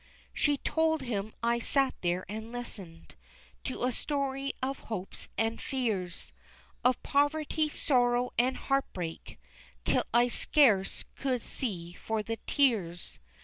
She told him I sat there and listened To a story of hopes and fears, Of poverty, sorrow, and heartbreak, Till I scarce could see for the tears.